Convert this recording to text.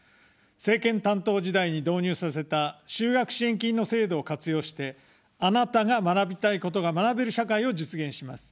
政権担当時代に導入させた就学支援金の制度を活用して、あなたが学びたいことが学べる社会を実現します。